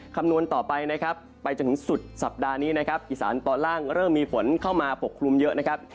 คำนวณต่อไปนะครับไปจนถึงสุดสัปดาห์นี้นะครับอีสานตอนล่างเริ่มมีฝนเข้ามาปกคลุมเยอะนะครับ